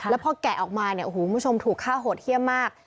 แล้วพอแกะออกมาเนี่ยโอ้โหคุณผู้ชมถูกฆ่าโหดเยี่ยมมาก